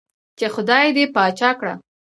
چې خدائے دې باچا کړه ـ